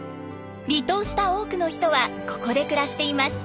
離島した多くの人はここで暮らしています。